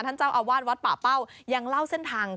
ท่านเจ้าอาวาสวัดป่าเป้ายังเล่าเส้นทาง